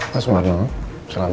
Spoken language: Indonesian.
mas marno selamat